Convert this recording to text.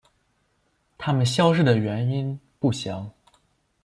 它们消失的原因不详。